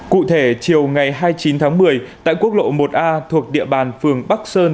cụ thể chiều ngày hai mươi chín tháng một mươi tại quốc lộ một a thuộc địa bàn phường bắc sơn